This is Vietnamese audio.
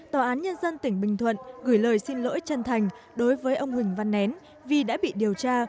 tòa án nhân dân tỉnh bình thuận gửi lời xin lỗi chân thành đối với ông huỳnh văn nén vì đã bị điều tra